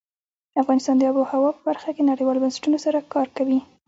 افغانستان د آب وهوا په برخه کې نړیوالو بنسټونو سره کار کوي.